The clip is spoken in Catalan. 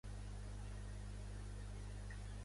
La meva filla es diu Keyla: ca, e, i grega, ela, a.